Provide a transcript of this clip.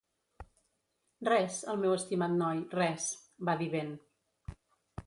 "Res, el meu estimat noi, res", va dir ben.